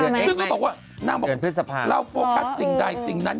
ซึ่งก็บอกว่านางบอกเราโฟกัสสิ่งใดสิ่งนั้น